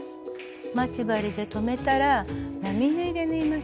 待ち針で留めたら並縫いで縫いましょう。